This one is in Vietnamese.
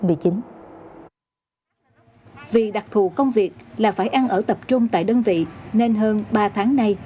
vì đặc thù công việc là phải ăn ở tập trung tại đơn vị nên hơn ba tháng nay